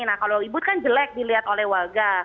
nah kalau ribut kan jelek dilihat oleh warga